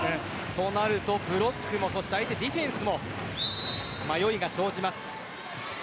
そうなると相手ブロック、ディフェンスも迷いが生じます。